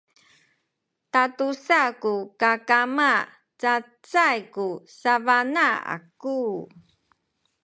tatusa ku kakama cacay ku sabana aku